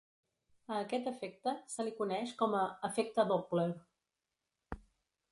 A aquest efecte se li coneix com a efecte Doppler.